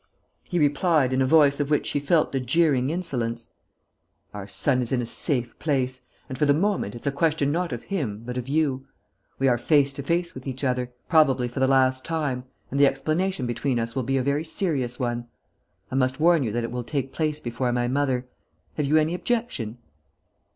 He replied, in a voice of which she felt the jeering insolence: "Our son is in a safe place. And, for the moment, it's a question not of him, but of you. We are face to face with each other, probably for the last time, and the explanation between us will be a very serious one. I must warn you that it will take place before my mother. Have you any objection?"